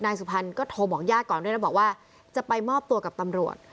นายสุภัณฑ์ก็โทรบอกญาติก่อนด้วยนะบอกว่าจะไปมอบตัวกับตำรวจ